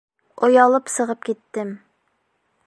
Оялып сығып киттем...